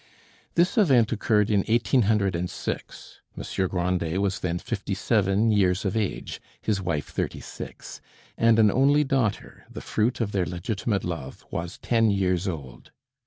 This event occurred in 1806. Monsieur Grandet was then fifty seven years of age, his wife thirty six, and an only daughter, the fruit of their legitimate love, was ten years old.